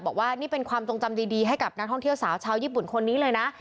บอกว่านี่เป็นความทรงจำดีให้กับนักท่องเที่ยวสาวชาวญี่ปุ่นคนนี้เลยนะ